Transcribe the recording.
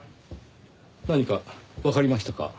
何かわかりましたか？